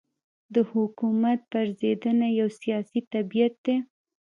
د حکومت پرځېدنه یو سیاسي طبیعت دی.